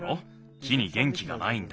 木にげんきがないんだ。